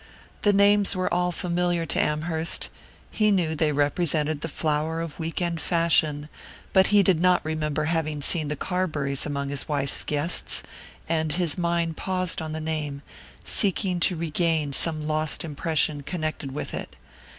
The names were all familiar to Amherst he knew they represented the flower of week end fashion; but he did not remember having seen the Carburys among his wife's guests, and his mind paused on the name, seeking to regain some lost impression connected with it.